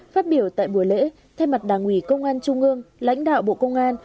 phát biểu tại buổi lễ thay mặt đảng ủy công an trung ương lãnh đạo bộ công an